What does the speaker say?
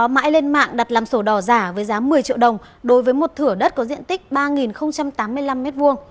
mãi lên mạng đặt làm sổ đỏ giả với giá một mươi triệu đồng đối với một thửa đất có diện tích ba tám mươi năm m hai